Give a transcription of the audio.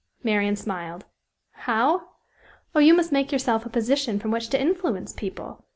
Marian smiled. "How? Oh, you must make yourself a position from which to influence people!